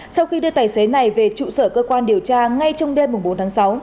sau khi đưa tài xế này về trụ sở cơ quan điều tra ngay trong đêm bốn tháng sáu